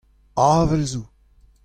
avel zo.